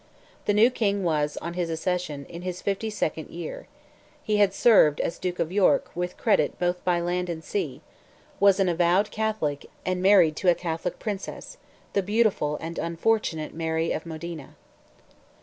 The new King was, on his accession, in his fifty second year; he had served, as Duke of York, with credit both by land and sea, was an avowed Catholic, and married to a Catholic princess, the beautiful and unfortunate Mary of Modena.